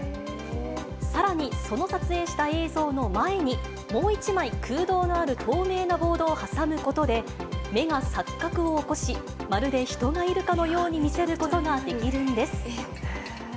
さらに、その撮影した映像の前に、もう１枚、空洞のある透明なボードを挟むことで、目が錯覚を起こし、まるで人がいるかのように見せることができるんです。